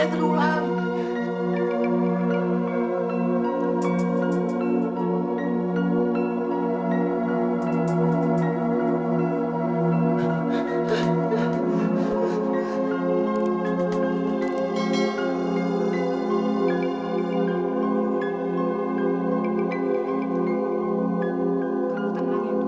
jangan kamu tenang yudhu